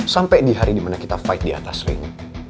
sampai di hari dimana kita fight di atas ring